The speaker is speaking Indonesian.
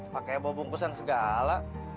pakai apa bungkusan segala